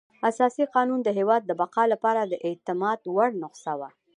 اساسي قانون د هېواد د بقا لپاره د اعتماد وړ نسخه وه.